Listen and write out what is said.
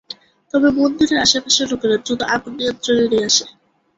তবে মন্দিরের আশেপাশের লোকেরা দ্রুত আগুন নিয়ন্ত্রণে নিয়ে আসে।